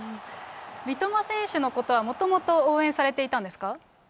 三笘選手のことは、もともと応援されていたんですか？